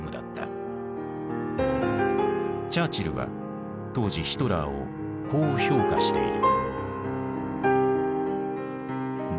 チャーチルは当時ヒトラーをこう評価している。